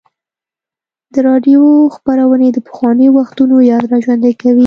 د راډیو خپرونې د پخوانیو وختونو یاد راژوندی کوي.